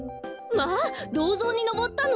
まあどうぞうにのぼったの？